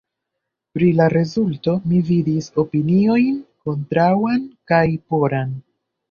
Pri la rezulto mi vidis opiniojn kontraŭan kaj poran.